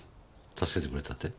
助けてくれたって？